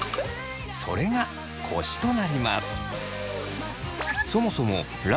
それがコシとなります。